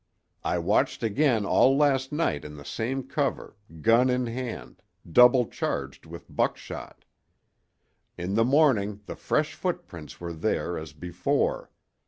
I watched again all last night in the same cover, gun in hand, double charged with buckshot. In the morning the fresh footprints were there, as before.